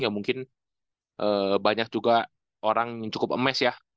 yang mungkin banyak juga orang yang cukup emas ya